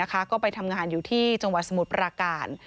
ก็ไปทำงานอยู่ที่จังหวัดสมุทรปราการ